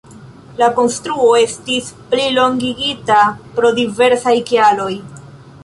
La konstruo estis plilongigita pro diversaj kialoj.